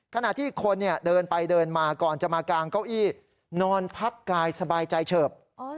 ขณะที่คนเดินไปเดินมาก่อนจะมากางเก้าอี้นอนพักกายสบายใจเฉิบ